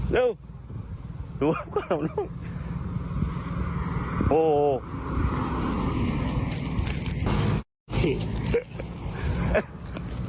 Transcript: เร็วดูขนมหนมร่วงโอ้โอโฮ